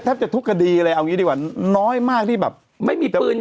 แทบจะทุกคดีอะไรเอาอย่างนี้ดีกว่าน้อยมากที่แบบ